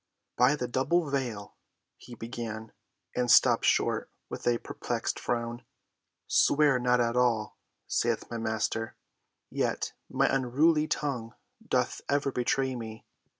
"By the double veil—" he began, and stopped short with a perplexed frown. "'Swear not at all,' saith my Master, yet my unruly tongue doth ever betray me.